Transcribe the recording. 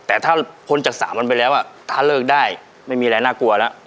แต่ถ้าพ้นจาก๓วันไปแล้วถ้าเลิกได้ไม่มีอะไรน่ากลัวแล้ว